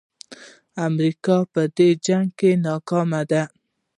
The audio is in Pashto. امریکا په دې جنګ کې ناکامه ده.